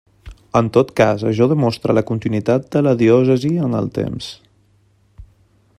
En tot cas, això demostra la continuïtat de la diòcesi en el temps.